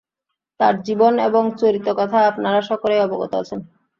তাঁর জীবন এবং চরিতকথা আপনারা সকলেই অবগত আছেন।